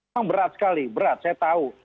memang berat sekali berat saya tahu